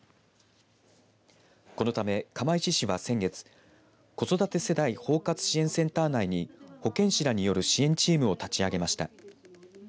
このため、釜石市は先月子育て世代包括支援センター内に保健師らによる支援チームを立ち上げました。